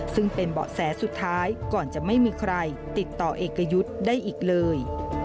ซึ่งเป็นเบาะแสสุดท้ายก่อนจะไม่มีใครติดต่อเอกยุทธ์ได้อีกเลย